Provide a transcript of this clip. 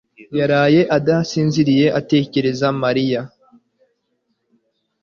yaraye adasinziriye atekereza Mariya.